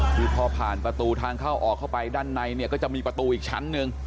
คือพอผ่านประตูทางเข้าออกเข้าไปด้านในเนี่ยก็จะมีประตูอีกชั้นหนึ่ง